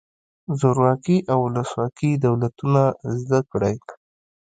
زورواکي او ولسواکي دولتونه زده کړئ.